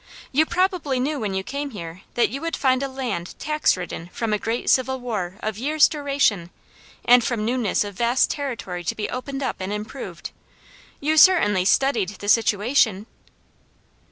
"You probably knew when you came here that you would find a land tax ridden from a great civil war of years' duration, and from newness of vast territory to be opened up and improved. You certainly studied the situation."